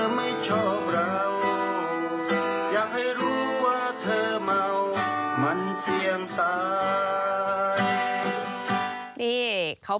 สิคือไม่ได้เกี่ยวกับคุณเสกนะ